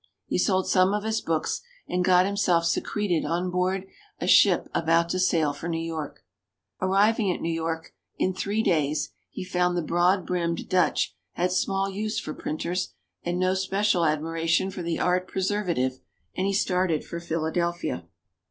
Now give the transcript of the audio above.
He sold some of his books and got himself secreted on board a ship about to sail for New York. Arriving at New York, in three days he found the broad brimmed Dutch had small use for printers and no special admiration for the art preservative; and he started for Philadelphia.